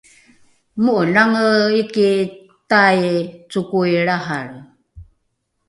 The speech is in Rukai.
mo’elange iki tai cokoi lrahalre